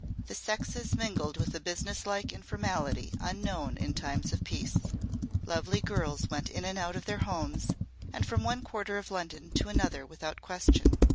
The sexes mingled with a businesslike informality unknown in times of peace. Lovely girls went in and out of their homes, and from one quarter of London to another without question.